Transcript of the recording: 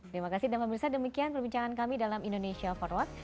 terima kasih dan pemirsa demikian perbincangan kami dalam indonesia forward